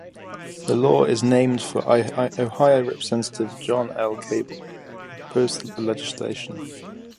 The law is named for Ohio representative John L. Cable, who proposed the legislation.